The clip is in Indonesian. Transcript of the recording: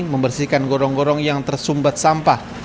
membersihkan gorong gorong yang tersumbat sampah